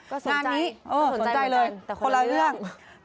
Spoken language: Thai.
ก็สนใจสนใจเหมือนกันแต่คนละเรื่องงานนี้สนใจเลย